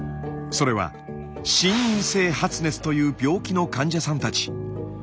それは心因性発熱という病気の患者さんたち。